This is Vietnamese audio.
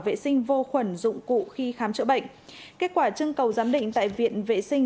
vệ sinh vô khuẩn dụng cụ khi khám chữa bệnh kết quả trưng cầu giám định tại viện vệ sinh